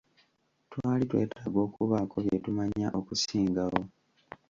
Twali twetaaga okubaako bye tumanya okusingawo.